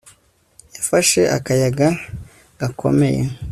Yafashe akayaga gakomeye